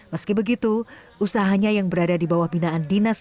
meski begitu usahanya yang berada di bawah binaan dinas